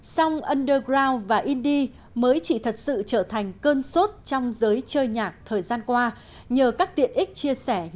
song underground và indie mới chỉ thật sự trở thành cơn sốt trong giới chơi nhạc thời gian qua nhờ các tiện ích chia sẻ nhạc trực tuyến